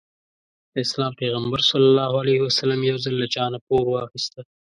د اسلام پيغمبر ص يو ځل له چانه پور واخيسته.